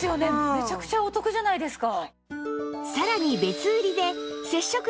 めちゃくちゃお得じゃないですか。